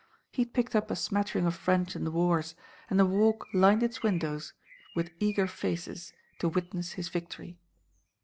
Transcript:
He had picked up a smattering of French in the wars, and the Walk lined its window with eager faces to witness his victory.